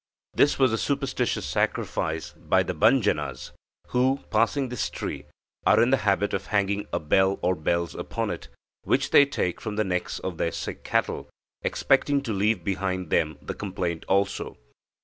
This was a superstitious sacrifice by the Bandjanahs, who, passing this tree, are in the habit of hanging a bell or bells upon it, which they take from the necks of their sick cattle, expecting to leave behind them the complaint also.